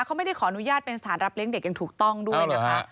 เขาไม่ได้ขออนุญาตเป็นสถานรับเลี้ยงเด็กอย่างถูกต้องด้วยนะคะ